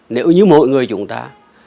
nếu như mọi người chúng ta